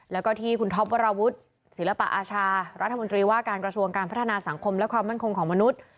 แล้วก็ที่คุณท็อปวราวุฒิศิลปะอาชารัฐมนตรีว่าการกระทรวงการพัฒนาสังคมและความมั่นคงของมนุษย์